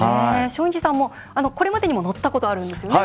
松陰寺さんもこれまでにも乗ったことあるんですよね？